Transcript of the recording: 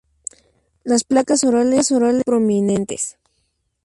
Las placas orales son prominentes.